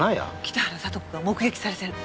北原さと子が目撃されてる。